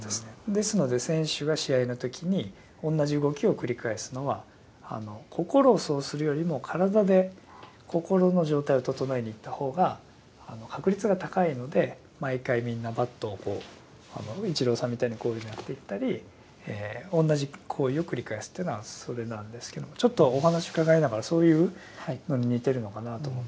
ですので選手が試合の時に同じ動きを繰り返すのは心をそうするよりも体で心の状態を整えにいった方が確率が高いので毎回みんなバットをこうイチローさんみたいにこういうのやっていったり同じ行為を繰り返すってのはそれなんですけどもちょっとお話伺いながらそういうのに似てるのかなと思って。